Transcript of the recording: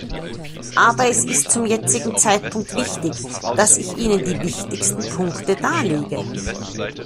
Aber es ist zum jetzigen Zeitpunkt wichtig, dass ich Ihnen die wichtigsten Punkte darlege.